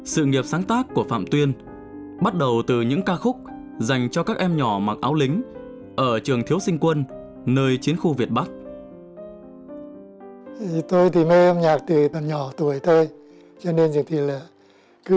sự nghiệp sáng tác của phạm tuyên bắt đầu từ những ca khúc dành cho các em nhỏ mặc áo lính ở trường thiếu sinh quân nơi chiến khu việt bắc